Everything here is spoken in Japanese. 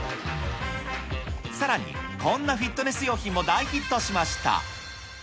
さらに、こんなフィットネス用品も大ヒットしました。